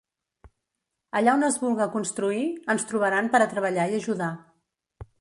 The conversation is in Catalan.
Allà on es vulga construir, ens trobaran per a treballar i ajudar.